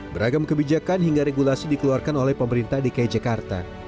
beragam kebijakan hingga regulasi dikeluarkan oleh pemerintah dki jakarta